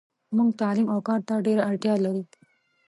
موږ تعلیم اوکارته ډیره اړتیالرو .